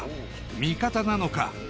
味方なのか？